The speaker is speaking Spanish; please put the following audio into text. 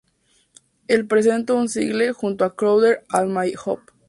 El presentó un single junto a Crowder "All My Hope.